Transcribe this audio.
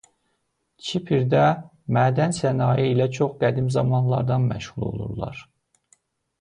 Kiprdə mədən sənayesi ilə çox qədim zamanlardan məşğul olurlar.